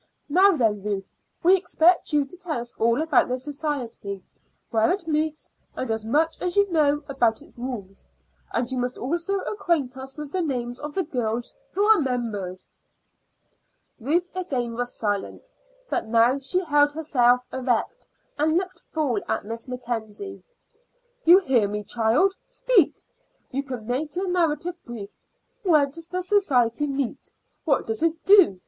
Now then, Ruth, we expect you to tell us all about the society where it meets, and as much as you know about its rules. And you must also acquaint us with the names of the girls who are members." Ruth again was silent, but now she held herself erect and looked full at Miss Mackenzie. "You hear me, child. Speak. You can make your narrative brief. Where does the society meet? What does it do?